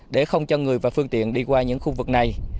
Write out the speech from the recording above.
để không cho người và phương tiện đi qua những khu vực này